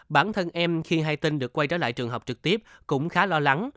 bản thân em khi hay tinh được quay trở lại trường học trực tiếp cũng khá lo lắng